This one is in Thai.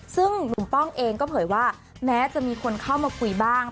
ซึ่งหนุ่มป้องเองก็เผยว่าแม้จะมีคนเข้ามาคุยบ้าง